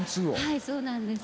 はいそうなんです。